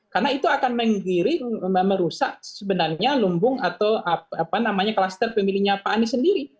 karena itu akan menggiri merusak sebenarnya lumbung atau apa namanya kluster pemilihnya pak anies sendiri